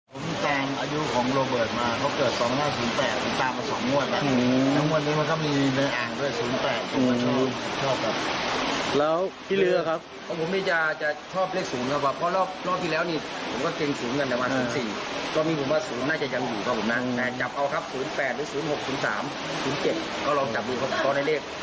ก็มาแสบนึงเนี่ยจับเอาครับ๐๘๐๖๐๓๐๗ก็ลองจับดูเข้าในเลข